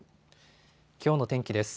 きょうの天気です。